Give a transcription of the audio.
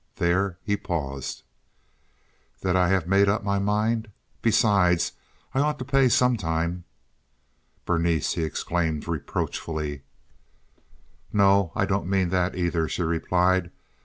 There he paused. "That I have made up my mind. Besides, I ought to pay some time." "Berenice!" he exclaimed, reproachfully. "No, I don't mean that, either," she replied.